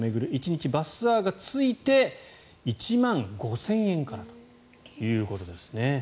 １日バスツアーがついて１万５０００円からということですね。